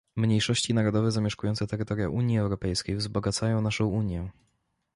Mniejszości narodowe zamieszkujące terytoria Unii Europejskiej wzbogacają naszą Unię